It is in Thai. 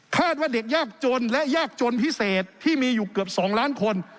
ว่าเด็กยากจนและยากจนพิเศษที่มีอยู่เกือบ๒ล้านคน